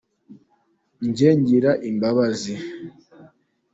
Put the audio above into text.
njye ngira imbabazi.